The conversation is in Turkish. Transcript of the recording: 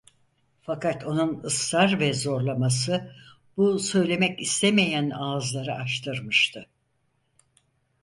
Fakat onun ısrar ve zorlaması, bu söylemek istemeyen ağızları açtırtmıştı.